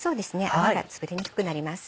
泡がつぶれにくくなります。